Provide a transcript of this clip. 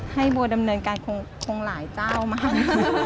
บัวดำเนินการคงหลายเจ้ามาก